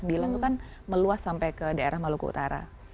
bilang itu kan meluas sampai ke daerah maluku utara